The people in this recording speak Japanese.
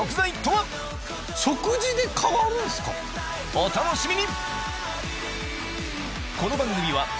お楽しみに！